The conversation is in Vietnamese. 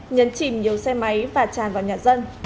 nhấn chìm nhiều xe máy và tràn vào nhà dân